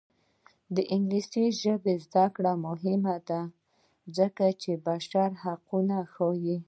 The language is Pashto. د انګلیسي ژبې زده کړه مهمه ده ځکه چې بشري حقونه ښيي.